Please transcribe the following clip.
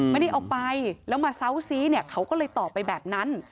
ไม่ได้เอาไปแล้วมาเซาซีเนี่ยเขาก็เลยตอบไปแบบนั้น